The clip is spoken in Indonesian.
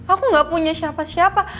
aku gak punya siapa siapa